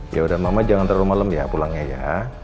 yaudah mama jangan terlalu malem ya pulangnya ya